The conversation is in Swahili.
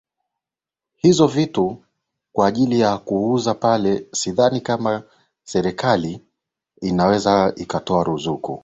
hizo vitu kwa ajili ya kuuza pale sidhani kama kama serikali inaweza ikatoa ruzuku